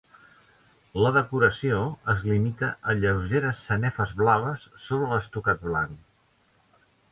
La decoració es limita a lleugeres sanefes blaves sobre l'estucat blanc.